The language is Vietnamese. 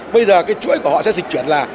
bây giờ cái chuỗi của họ sẽ dịch chuyển là